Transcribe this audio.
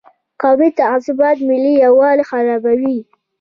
قومي تعصبات ملي یووالي خرابوي.